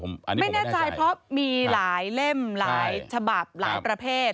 อันนี้ไม่แน่ใจเพราะมีหลายเล่มหลายฉบับหลายประเภท